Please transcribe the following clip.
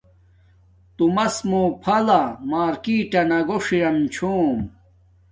تومس مُو پھلہ مارکٹا نہ گوݽ ارم چھوم